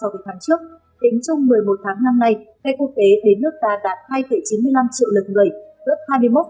tính trong một mươi một tháng năm nay khách quốc tế đến nước ta đạt hai chín mươi năm triệu lượt người